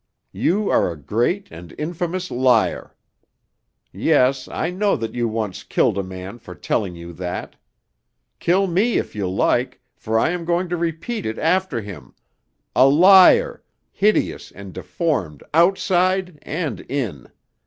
You are a great and infamous liar! Yes, I know that you once killed a man for telling you that. Kill me if you like, for I am going to repeat it after him a liar, hideous and deformed outside and in.